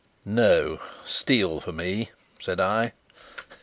"No; steel for me," said I.